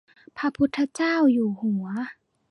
พระพุทธเจ้าอยู่หัว